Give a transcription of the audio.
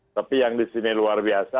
tapi yang disini luar biasa